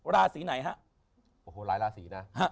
ราศีไหนฮะโอ้โหหลายราศีนะ